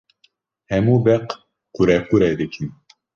Hemû beq qurequrê dikin.